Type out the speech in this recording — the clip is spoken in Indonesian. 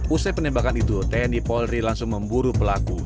usai penembakan itu tni polri langsung memburu pelaku